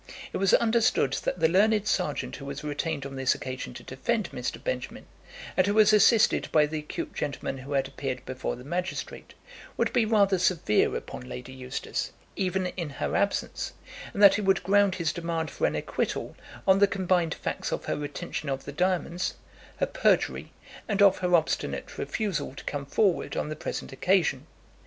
It was understood that the learned serjeant who was retained on this occasion to defend Mr. Benjamin, and who was assisted by the acute gentleman who had appeared before the magistrate, would be rather severe upon Lady Eustace, even in her absence; and that he would ground his demand for an acquittal on the combined facts of her retention of the diamonds, her perjury, and of her obstinate refusal to come forward on the present occasion.